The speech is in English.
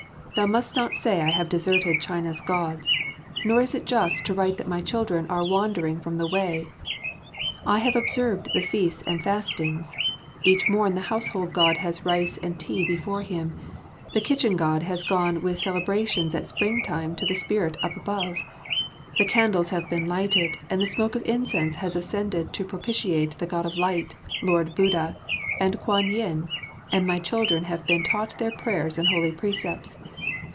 Thou must not say I have deserted China's Gods, nor is it just to write that my children are wandering from the Way. I have observed the feasts and fastings; each morn the Household God has rice and tea before him; the Kitchen God has gone with celebrations at springtime to the spirit up above. The candles have been lighted and the smoke of incense has ascended to propitiate the God of Light, Lord Buddha, and Kwan yin, and my children have been taught their prayers and holy precepts.